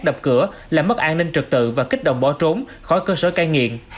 đập cửa làm mất an ninh trực tự và kích động bỏ trốn khỏi cơ sở cai nghiện